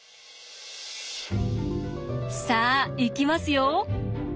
さあいきますよ。